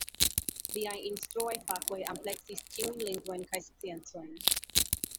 Liaj instruaj fakoj ampleksis ĉiujn lingvojn kaj sciencojn.